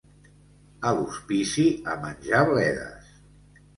A l'Hospici a menjar bledes.